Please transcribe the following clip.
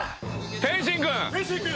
天心君。